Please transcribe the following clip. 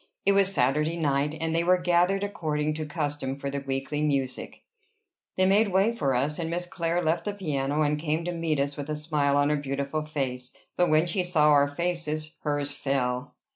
It was Saturday night, and they were gathered according to custom for their weekly music. They made a way for us; and Miss Clare left the piano, and came to meet us with a smile on her beautiful face. But, when she saw our faces, hers fell.